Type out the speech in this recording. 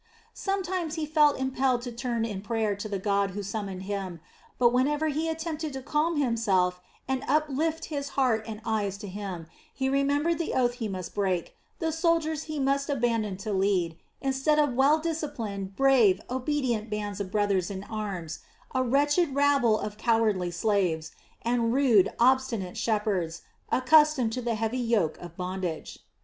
Sometimes he felt impelled to turn in prayer to the God who summoned him, but whenever he attempted to calm himself and uplift his heart and eyes to Him, he remembered the oath he must break, the soldiers he must abandon to lead, instead of well disciplined, brave, obedient bands of brothers in arms, a wretched rabble of cowardly slaves, and rude, obstinate shepherds, accustomed to the heavy yoke of bondage.